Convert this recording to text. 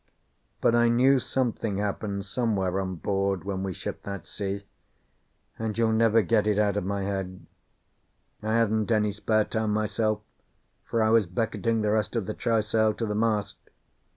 But I knew something happened somewhere on board when we shipped that sea, and you'll never get it out of my head. I hadn't any spare time myself, for I was becketing the rest of the trysail to the mast.